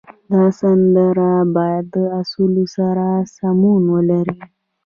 دا سندونه باید د اصولو سره سمون ولري.